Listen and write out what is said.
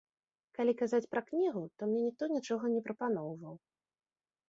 Калі казаць пра кнігу, то мне ніхто нічога не прапаноўваў.